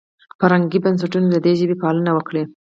فرهنګي بنسټونه دې د ژبې پالنه وکړي.